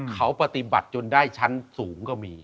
เขาปฏิบัติจนได้ชั้นสูงก็มี